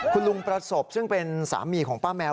คุณลุงประสบซึ่งเป็นสามีของป้าแมว